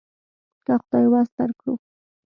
که خدای وس درکړو.